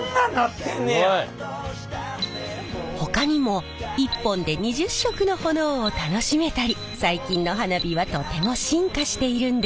ほかにも１本で２０色の炎を楽しめたり最近の花火はとても進化しているんです。